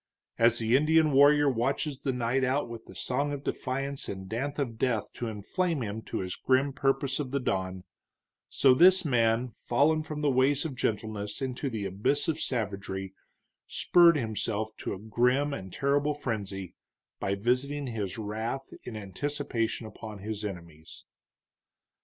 As the Indian warrior watches the night out with song of defiance and dance of death to inflame him to his grim purpose of the dawn, so this man fallen from the ways of gentleness into the abyss of savagery spurred himself to a grim and terrible frenzy by visiting his wrath in anticipation upon his enemies.